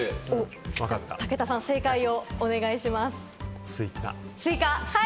武田さん正解をお願いします。